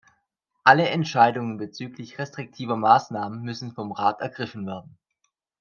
Alle Entscheidungen bezüglich restriktiver Maßnahmen müssten vom Rat ergriffen werden.